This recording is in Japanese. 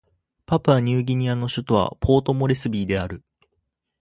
パプアニューギニアの首都はポートモレスビーである